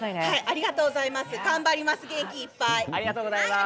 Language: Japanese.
ありがとうございます。